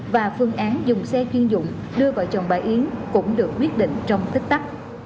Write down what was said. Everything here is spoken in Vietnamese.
và phương án dùng xe chuyên dụng đưa vợ chồng bà yến cũng được quyết định trong thích tắc